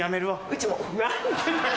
うちも。